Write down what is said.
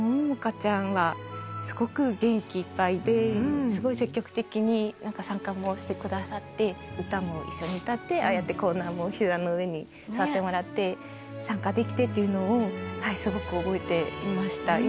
ちゃんはすごく元気いっぱいで、すごい積極的に参加もしてくださって、歌も一緒に歌って、ああやってコーナーもひざの上に座ってもらって、参加できてっていうのを、すごく覚えていました。